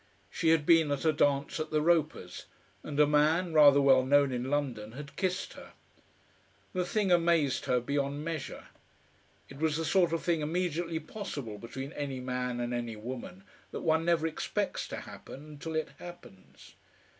She had been at a dance at the Ropers', and a man, rather well known in London, had kissed her. The thing amazed her beyond measure. It was the sort of thing immediately possible between any man and any woman, that one never expects to happen until it happens.